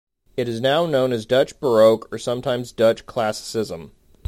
It is now known as Dutch Baroque or sometimes Dutch Classicism.